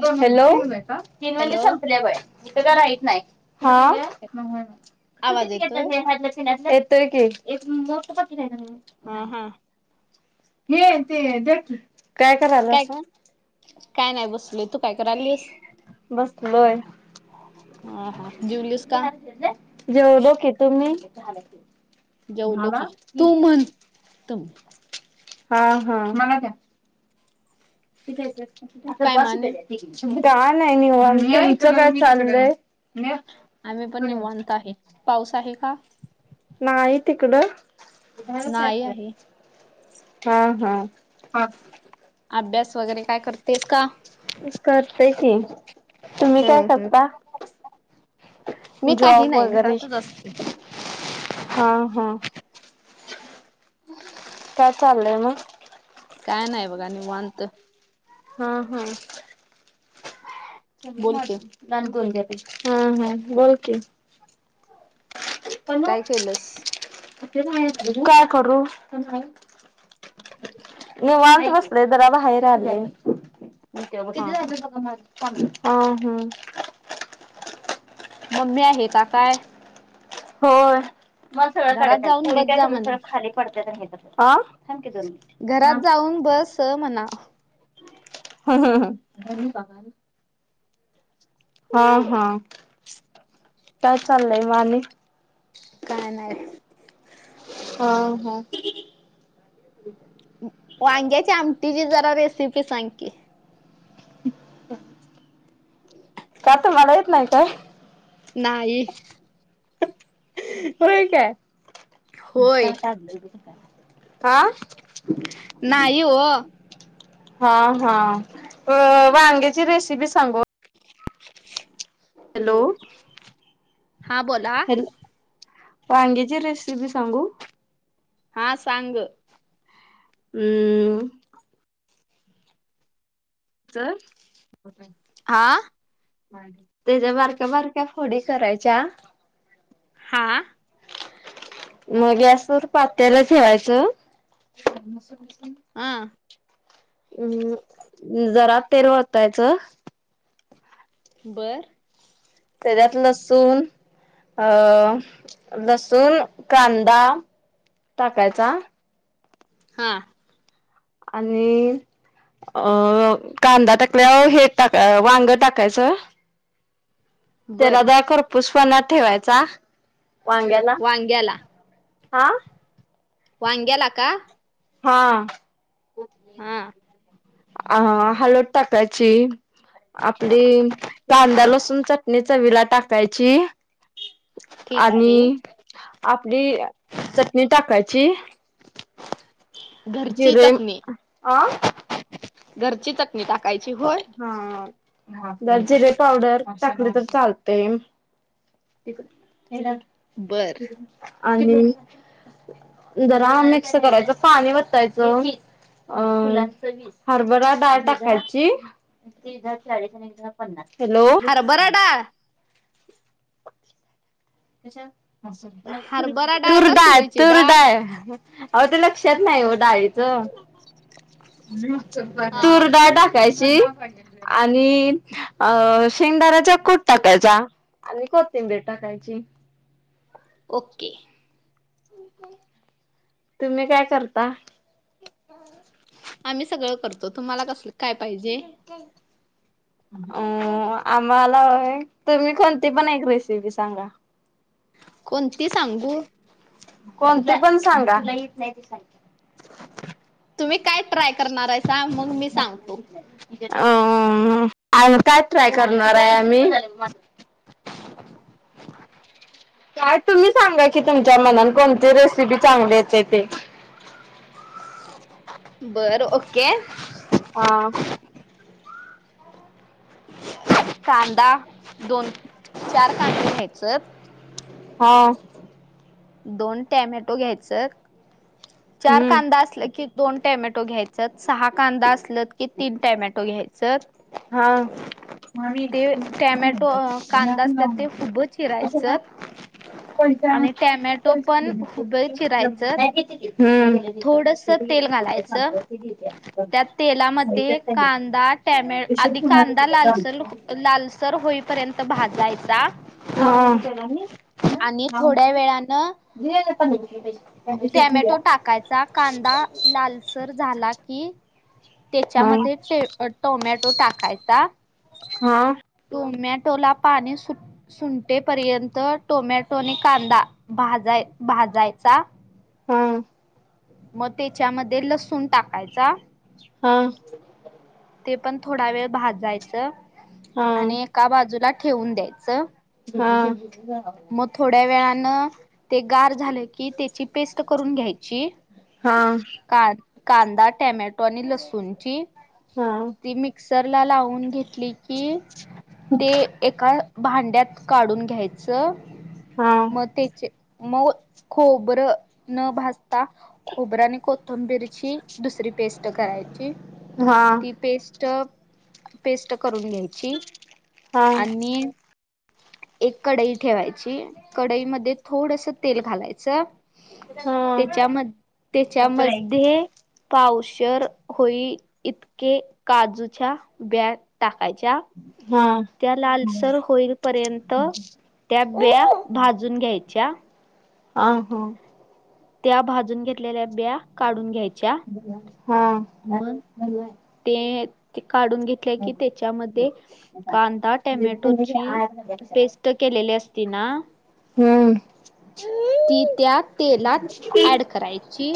हे- हॅलो हा. तु आवाज किती येतोय घेतलीयास हे ह्यातलं पिण्याचं येतोय की. हा हा. हे ते द्या की. काय काय करायलासा? काय नाही बसलोय तू काय करालीस. बसलोय. हा हा जेवलीस का जेवलो की तुम्ही? झाला की जेवलो की तू म्हण तुम्ही हा हा मला काय इथे एकच आता काय बस माने हुतंय घ्या टिकली. काय नाही निवांत तुमचं काय चाललंय? आम्ही पण निवांत आहे पाऊस आहे का? नाही तिकडं? हे दहा ला चार नाही करा आहे कि. हा हा आ अभ्यास वगैरे काय करतेस का? करते की तुम्ही काय हम्म हम्म करता मी काही जॉब नाही वगैरे घरातच असते हा हा. काय चाललंय मग? काय नाही बघा निवांत हा हा. बोल की हा हा बोल कि काय केलस काय करू? निवांत बस इकडे जरा बाहेर आले. ठीक आहे मग किती हा हा झाले काका माझे? चालेल हम्म हम्म मम्मी आहे का आ होय. मग सगळं काढत्यात जाऊन पोरी बस काय जा करत्यात सगळं म्हणा खाली पडत्यात आणि आ घरात जाऊन बस म्हणाव. हम्म हम्म ह अजून सांग हा हा काय चाललंय म आणि काय नाही. हा हा. वांग्याच्या आमटीची जरा रे सीपी सांग की का तर तुम्हाला येत नाही काय? नाही. होय काय. होय. काय काढलं कुठं काय. आ? नाही ओ हा हा वांग्याची रेसिपी सांगु. हॅलो. हा बोला. हॅलो वांग्याची ची रेसिपी सांगू. हा सांग ग. हम्म. चल. आ. त्याज्या बारक्या बारक्या फोडी करायच्या हा. म गॅसवर पातेल ठेवायचं. हा हम्म, जरा तेल वतायचं. बर. त्याच्यात लसूण अ लसूण कांदा टाकायचा हां. आणि अ कांदा टाकल्यावर हे टाक वांग टाकायचं. बर तेलात जरा खरपूस पुन्हा ठेवायचा वांग्याला? वांग्याला आं? वांग्याला का? हा. हा आ हाळद टाकायची, आपली कांद्या लसून चटणी चवीला टाकायची. ठीक आहे. आणि आपली चटणी टाकायची ची. घरची जिरे, चटणी अं? घरची चटणी टाक कायची होय? हा जिरे पावडर टाकली तर चालतंय. [inaudible] बर आणि जरा मिक्स करायचं. पाणी वतायचं अ हरभरा डाळ टाकायची. कितीदा चाळीस मिनिट पन्नास मिनिट. हॅलो, हरभरा डाळ कश्या हरभरा डाळ का तुरडाळ तुरीची डाळ तुरडाळ. आवो ते लक्षात नाही ओ डाळीच. हा तुरडाळ टाकायची. ची आणि अ शेंगदाण्याचा कुट टाकायचा आणि कोथिंबीर टाकायची. ओके. तुम्ही काय करता? आम्ही सगळं करतो तुम्हाला कसलं काय पाहिजे? अं आम्हाला [unintelligible] तुम्ही कोणती पण एक रेसिपी सांगा. कोणती सांगू? कोणती पण सांगा. तुम्ही काय ट्राय करणार हायसा? मग मी सांगतो. अ आणि काय ट्राय करणार आहे आमी? [inaudible] काय तुम्ही सांगा की तुमच्या मनान कोणती रेसिपी चांगली येते ते. बर ओके. आं कांदा, दोन चार कांदं घ्यायचंत. हां. दोन टॅमॅटो घ्यायचं. चार हम्म कांदा असल की दोन टॅमॅटो घ्याय चंत सहा कांदा असलत की तीन टॅमॅटो घ्याय च. हां मामी [unintelligible] टॅमॅटो कांदा ह्यासनी असतात लावुन ते देतो. उभं कशाला? चिरायचं आणि टॅमॅटो पण उभं चिरायचं थोडस तेल घालायचं त्या तेलामध्ये कांदा [unintelligible] [unintelligible] टॅमॅ आधी कांदा लालसर ह लालसर होईपर्यं त भाजाय [inaudible] [unintelligible] वेळानं [unintelligible] टॅमॅटो टाकायचा कांदा लालसर झाला की हा त्येच्यामध्ये टे अ टोमॅटो टाकायचा. हां. टोमॅटोला पाणी सू सुंटेपर्यंत टोमॅटोने कांदा भाजाय भाजाय चा. हां. म त्याच्यामध्ये लसूण टाकायचा. हां. ते पण थोडा वेळ भाजायचं हा हा हा आणि एका बाजूला ठेवून द्यायचं. हां [unintelligible] न ते गार झालं की त्याची पेस्ट करून घ्याय ची हा का कांदा, टॅमॅटो आणि लसूणची ती मिक्स क्सरला लावून घेतली की ते एका भांड्यात काढून घ्यायचं मग त्याचे माऊ खोबरे न भाजता आता खोबऱ्या आणि कोथिंबीरची दुसरी पेस्ट करायची हा ती पेस्ट पेस्ट पेस्ट करून घ्याय ची आणि एक कडई ठेवायची कडईमध्ये थोडस तेल घालायचं त्याच्या मधें त्याच्यामध्ये पावशर होई इतके काजूच्या बिया टाक घ्यायच्या हा त्या लालसर होईपर्यंत बिया भाजून घ्यायच्या ह ह त्या भाजून घेतल्या भाजलेले बिया काढून घ्यायच्या हा मग ते ते काढून घेतल्या की त्याच्यामध्ये कांदा टोमॅटोची पेस्ट केलेली असते तीना हम्म ती त्या तेलात ऍड करायची.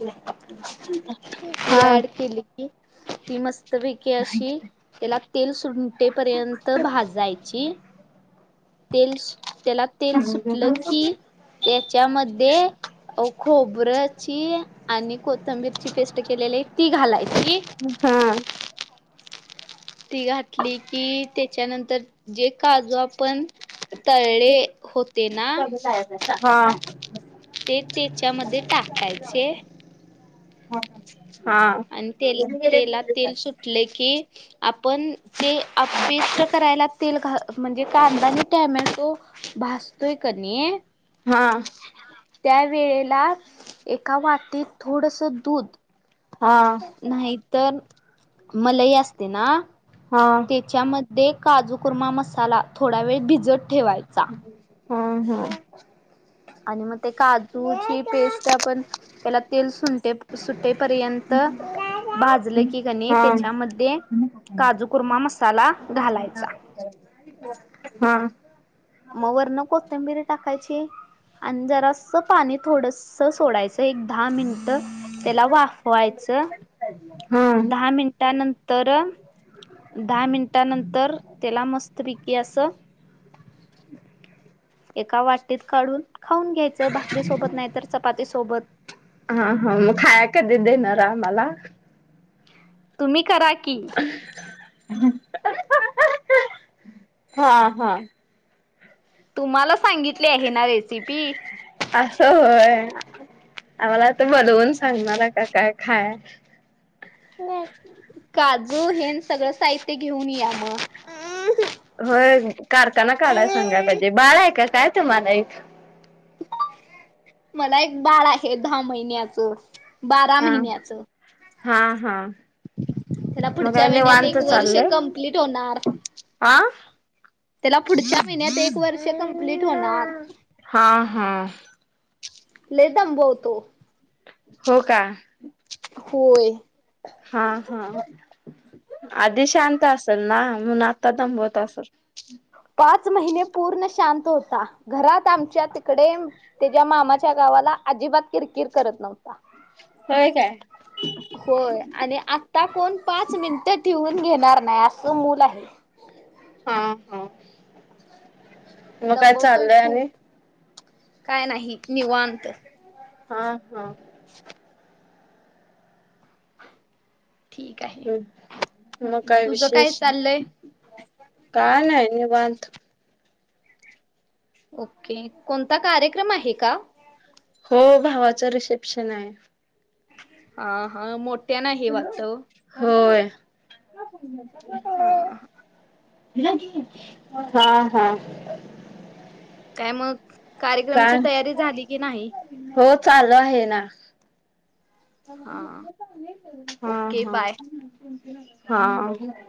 हम् ती हम् ऍड केली की ती मस्त पैकी अशी त्याला तेल सुंटेपर्यंत भाजयची तेल्स त्याला तेल सुटलं की त्याच्यामध्ये खोबऱ्याची आणि को कोतंबीरची पेस्ट केलेली आहे ती घालायची हमम ती घातली की त्याच्यानंतर जे काजू आपण तळळे होते ना हा हा हा ते त्याच्यामध्ये टाकायचे हा आणि ते तेला तेल सुटले की आपण जी पेस्ट करायला तेल घा म्हणजे कांदा आणि टॅमॅटो भासतोय कणी हा त्या वेळेला एका वटीत थोडस दूध हा हा नाही तर मलई असते ना हा त्याच्यामध्ये काजू कुर्मा मसाला थोडा वेळ भिजत ठेवायचा हा हा आणि मग ते काजू पेस्ट आपण त्याला तेल सुटे सुटेपर्यंत भाजलं की कणी त्याच्यामध्ये काजू कुरमा मसाला घालायचा मग वर न कोथंबिर टाकायची ई आणि जरा अस पाणी थोडस सोडायचं एक दहा मिनिट त्याला वाफवायचं हा हा. दहा मिनिटानंतर तर दहा मिनिटानंतर त्याला मस्त पिकी असं एका वाटीत काढून, खाऊन घ्यायचं, भाकरी सोबत नाहीतर चपाती सोबत. मग खाया [unintelligible] [unintelligible] [inaudible] हं, हा, हा. तुम्हाला सांगितले आहे. ना रेसिपी [unintelligible] आम्हाला ते बनवून सांगणार आहे का, काय खाया? काजू, हेन, सगळं साहित्य घेऊन या, म. होय, काढताना काढाया सांगायला पाहिजे, बाळा हे का? काय त, माना एक? मला एक बाळ आहे, दहा महिन्याचं. बारा हा महिन्याचंं. हा. हा. मग काय निवांत चाललंय [unintelligible] हा [inaudible] हा हा [unintelligible] हो का? होय. हा हा, आधी शांत असल ना, म्हणून आता दमवत असल. [unintelligible] पाच महिने पूर्ण शांत होता. घरात आमच्या तिकडे, त्याच्या मामाच्या गावाला अजिबात किरकिर करत नव्हता. होय काय होय, आणि आत्ता कोण पाच मिनटं ठिवून घेणार नाही, असं मूल आहे. हा. हा. म काय दंबवतोय चाललंय? खूप आणि. काय नाही, निवांत. हा हा. ठीक आहे मग काय तुझं विशेष? चाललंय काय नाही निवांत. ओके! कोणता कार्यक्रम आहे का? हो, भावाच रिसेप्शन आहे. [unintelligible] वाटत होय. [unintelligible] [unintelligible] [unintelligible] हा हा काय मग? का? कार्यक्रमची तयारी झाली की नाही हो चालू आहे ना. हा हा ओके हा. बाय हा.